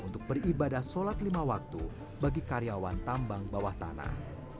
untuk beribadah sholat lima waktu bagi karyawan tambang bawah tanah